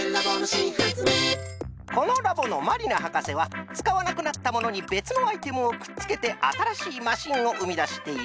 このラボのまりな博士はつかわなくなったものにべつのアイテムをくっつけてあたらしいマシンをうみだしている。